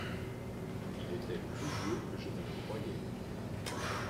Il était plus vieux que je ne le croyais.